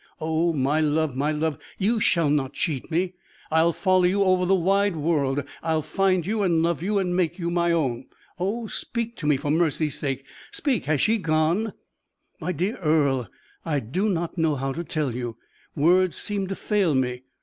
Oh! my love, my love! you shall not cheat me! I will follow you over the wide world; I will find you, and love you, and make you my own! Oh! speak to me, for mercy's sake! Speak has she gone?" "My dear Earle, I do not know how to tell you, words seem to fail me.